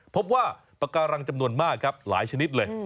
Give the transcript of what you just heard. พบว่าปากการังจำนวนมากครับหลายชนิดเลย